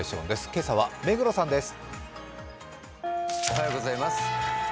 今朝は目黒さんです。